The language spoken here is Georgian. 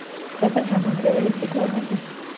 ხდება დამანგრეველი ციკლონები.